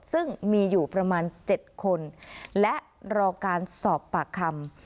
ซึ่งมีอยู่ประมาณ๗คนและรอการสอบปากคำ